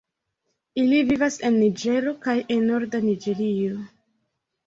Ili vivas en Niĝero kaj en norda Niĝerio.